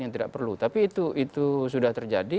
yang tidak perlu tapi itu sudah terjadi